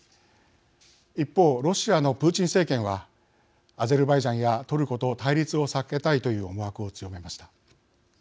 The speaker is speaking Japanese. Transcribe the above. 一方ロシアのプーチン政権はアゼルバイジャンやトルコと対立を避けたいという思惑を強めました。